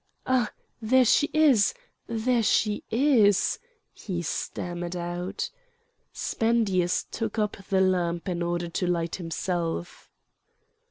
"Ah! there she is! there she is!" he stammered out. Spendius took up the lamp in order to light himself.